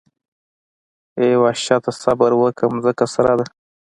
اې وحشته صبر وکړه ځمکه سره ده.